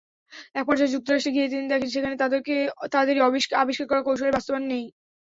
একপর্যায়ে যুক্তরাষ্ট্রে গিয়ে তিনি দেখেন, সেখানে তাঁদেরই আবিষ্কার করা কৌশলের বাস্তবায়ন নেই।